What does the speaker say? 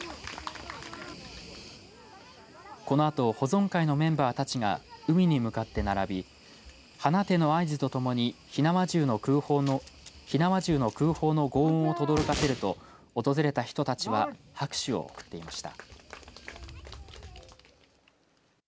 このあと保存会のメンバーたちが海に向かって並び放ての合図とともに火縄銃の空砲のごう音をとどろかせると訪れた人たちは拍手を送っていました。